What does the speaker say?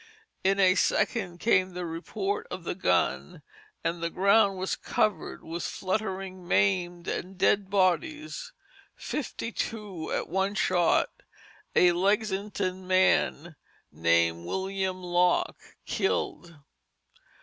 In a second came the report of the gun, and the ground was covered with the fluttering, maimed, and dead bodies. Fifty two at one shot, a Lexington man named William Locke killed.